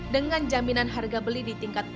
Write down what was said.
dengan jaminan harga beli di tingkat empat empat miliar